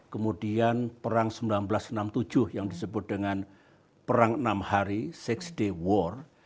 kemudian perang seribu sembilan ratus enam puluh tujuh yang disebut dengan perang enam hari enam day war